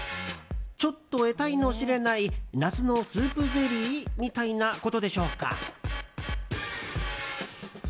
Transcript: ちょっと得体の知れない夏のスープゼリーみたいなことでしょうか？